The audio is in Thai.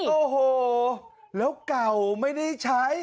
โอ้โหแล้วเก่าไม่ได้ใช้